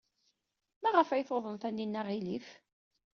Maɣef ay tuḍen Taninna aɣilif?